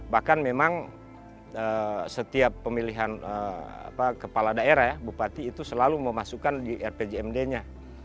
bahkan memang setiap pemilihan kepala daerah ya bupati itu selalu memasukkan di rpjmd nya